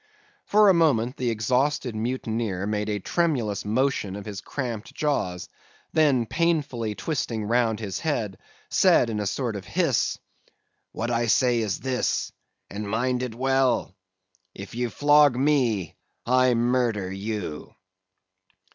"For a moment the exhausted mutineer made a tremulous motion of his cramped jaws, and then painfully twisting round his head, said in a sort of hiss, 'What I say is this—and mind it well—if you flog me, I murder you!